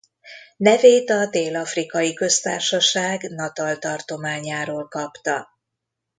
Nevét a Dél-afrikai Köztársaság Natal tartományáról kapta.